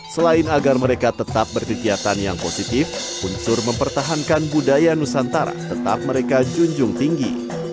selain agar mereka tetap berkegiatan yang positif unsur mempertahankan budaya nusantara tetap mereka junjung tinggi